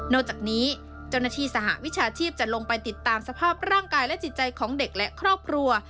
จากนี้เจ้าหน้าที่สหวิชาชีพจะลงไปติดตามสภาพร่างกายและจิตใจของเด็กและครอบครัว